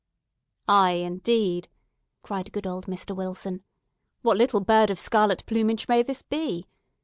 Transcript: "Ay, indeed!" cried good old Mr. Wilson. "What little bird of scarlet plumage may this be?